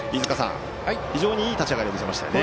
非常にいい立ち上がりを見せましたね。